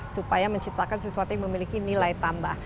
supaya menciptakan sesuatu yang memiliki nilai tambah